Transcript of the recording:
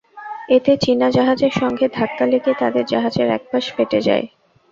এতে চীনা জাহাজের সঙ্গে ধাক্কা লেগে তাঁদের জাহাজের একপাশ ফেটে যায়।